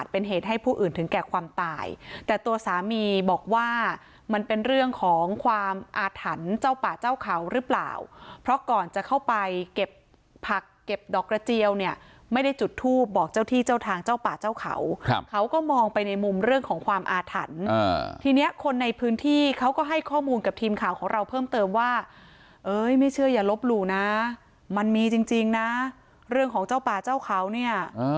เป็นเหตุให้ผู้อื่นถึงแก่ความตายแต่ตัวสามีบอกว่ามันเป็นเรื่องของความอาถรรพ์เจ้าป่าเจ้าเขาหรือเปล่าเพราะก่อนจะเข้าไปเก็บผักเก็บดอกกระเจียวเนี่ยไม่ได้จุดทูบบอกเจ้าที่เจ้าทางเจ้าป่าเจ้าเขาเขาก็มองไปในมุมเรื่องของความอาถรรพ์ทีนี้คนในพื้นที่เขาก็ให้ข้อมูลกับทีมข่าวของเราเพิ่มเติ